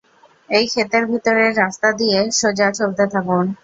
এই ক্ষেতের ভিতরের রাস্তা দিয়ে সোজা চলতে থাকুন।